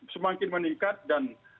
semakin meningkat dan